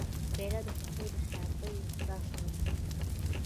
پیاله د خوښۍ ناڅاپي احساس لري.